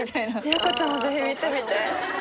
美和子ちゃんも是非見てみて。